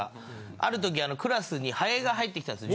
あるときクラスにハエが入ってきたんです。